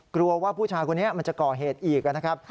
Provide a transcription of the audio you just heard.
กลัวว่าผู้ชายคนนี้มันจะก่อเหตุอีกนะครับ